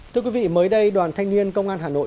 thưa quý vị mới đây đoàn thanh niên công an hà nội